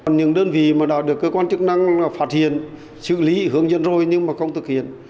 những đơn vị mà đã được cơ quan chức năng phát hiện xử lý hướng dẫn rồi nhưng mà không thực hiện